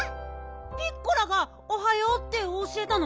ピッコラが「おはよう」っておしえたの？